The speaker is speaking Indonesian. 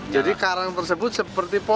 jadi karang tersebut seperti pola